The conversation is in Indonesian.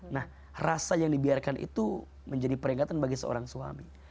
nah rasa yang dibiarkan itu menjadi peringatan bagi seorang suami